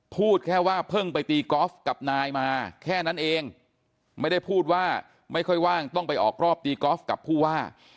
พูดแค่ว่าเพิ่งไปตีกอล์ฟกับนายมาแค่นั้นเองไม่ได้พูดว่าไม่ค่อยว่างต้องไปออกรอบตีกอล์ฟกับผู้ว่า